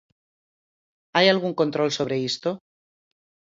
Hai algún control sobre isto?